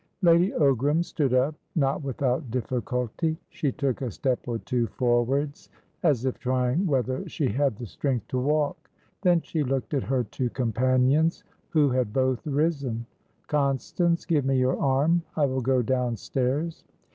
Lady Ogram stood up, not without difficulty. She took a step or two forwards, as if trying whether she had the strength to walk. Then she looked at her two companions, who had both risen. "Constance, give me your arm. I will go downstairs."